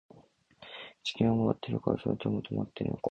地球は回っているのか、それとも止まっているのか